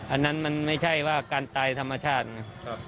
อันนั้นมันไม่ใช่ว่าการตายธรรมชาติไง